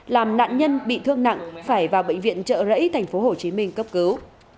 làm nạn nhân bị thương nặng phải vào bệnh viện trợ rẫy tp hcm cấp cứu